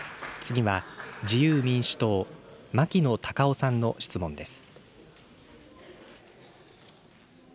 次は、自由民主党、牧野たかおさんの質問です。